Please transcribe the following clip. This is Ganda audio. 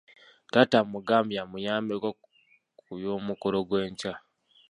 Taata amugambye amuyambeko ku by'omukolo gw'enkya.